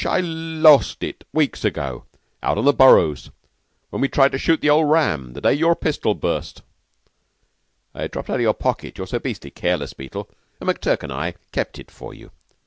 I lost it weeks ago. Out on the Burrows, when we tried to shoot the old ram the day our pistol burst." "It dropped out of your pocket (you're so beastly careless, Beetle), and McTurk and I kept it for you.